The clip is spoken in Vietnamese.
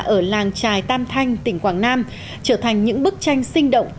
ở làng trài tam thanh tỉnh quảng nam trở thành những bức tranh sinh động